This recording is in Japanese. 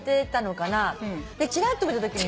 ちらっと見たときに。